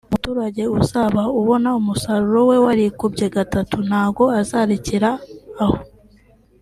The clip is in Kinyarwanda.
umuturage uzaba ubona umusaruro we warikubye gatatu ntago azarekera aho